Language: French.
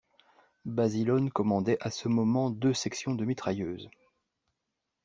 Basilone commandait à ce moment deux sections de mitrailleuses.